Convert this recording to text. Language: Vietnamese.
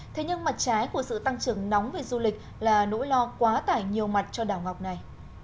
thế nhưng mặt trái của sự tăng trưởng nóng về du lịch là nỗi lo quá tải nhiều mặt cho đảo ngọc này